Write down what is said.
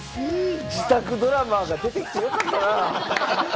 自宅ドラマー、出てきてよかったな！